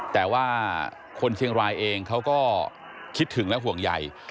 แต่ว่าคนเชียงรายเองเขาก็คิดถึงและห่วงใหญ่